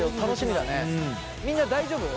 みんな大丈夫？